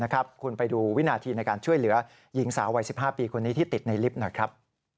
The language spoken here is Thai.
คุณไปดูวินาทีในการช่วยเหลือหญิงสาววัย๑๕ปีคนนี้ที่ติดในลิฟต์หน่อยครับ